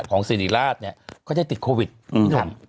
ของศรีริราชเนี่ยเค้าจะติดโควิดครับ